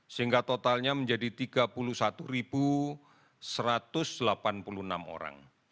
sehingga totalnya menjadi tiga puluh satu satu ratus delapan puluh enam orang